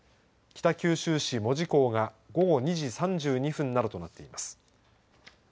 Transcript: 北九州市門司港が午後２時３２分などとなっています。